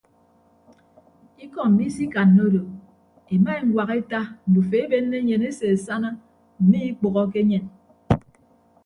Ikọ mmi isikanna odo ema eñwak eta ndufo ebenne enyen ese asana mme ikpәhoke enyen.